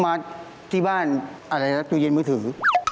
มาที่บ้านอะไรนะตู้เย็นมือถือ